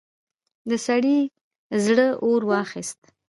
د سړي زړه اور واخيست.